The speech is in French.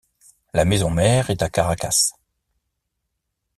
La maison-mère est à Caracas.